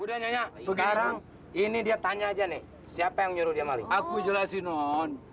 udah nyonya sekarang ini dia tanya aja nih siapa yang nyuruh dia maling aku jelasinon